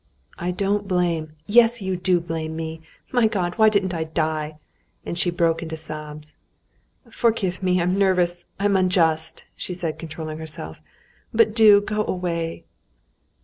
"I don't blame...." "Yes, you do blame me! My God! why didn't I die!" And she broke into sobs. "Forgive me, I'm nervous, I'm unjust," she said, controlling herself, "but do go away...."